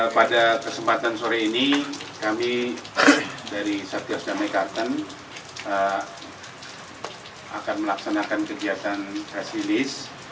pada kesempatan sore ini kami dari satyos damai kartan akan melaksanakan kegiatan resilis